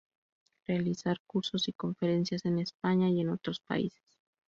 Realiza cursos y conferencias en España y en otros países.